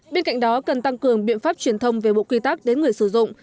bên cạnh đó cần tăng cường biện pháp truyền thông về bộ quy tắc đến người sử dụng